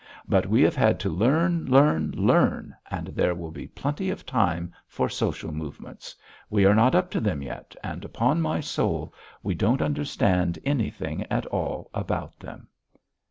But we have to learn, learn, learn, and there will be plenty of time for social movements; we are not up to them yet, and upon my soul, we don't understand anything at all about them."